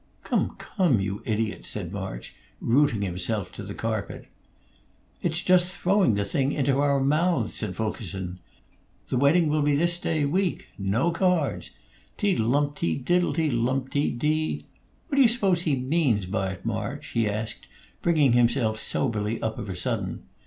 "Come, come, you idiot!" said March, rooting himself to the carpet. "It's just throwing the thing into our mouths," said Fulkerson. "The wedding will be this day week. No cards! Teedle lumpty diddle! Teedle lumpty dee! What do you suppose he means by it, March?" he asked, bringing himself soberly up, of a sudden.